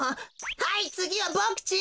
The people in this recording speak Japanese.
はいつぎはボクちん！